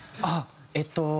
あっえっと